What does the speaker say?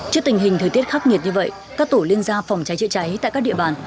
trước tình hình thời tiết khắc nghiệt như vậy các tổ liên gia phòng cháy chữa cháy tại các địa bàn